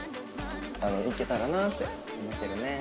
行けたらなって思ってるね。